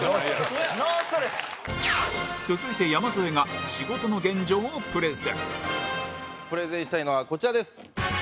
続いて山添が仕事の現状をプレゼンプレゼンしたいのはこちらです。